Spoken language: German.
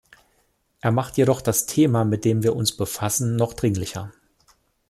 Er macht jedoch das Thema, mit dem wir uns befassen, noch dringlicher.